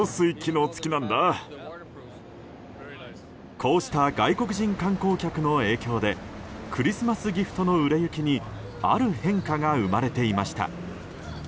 こうした外国人観光客の影響でクリスマスギフトの売れ行きにある変化が生まれていました。